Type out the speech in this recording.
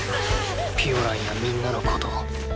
ピオランや皆のことを。